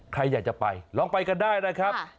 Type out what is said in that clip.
ใครอยากจะไปลองไปกันได้นะครับ